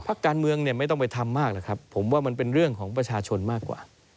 ภักดิ์การเมืองไม่ต้องไปทำมากผมว่ามันเป็นเรื่องของประชาชนมากกว่า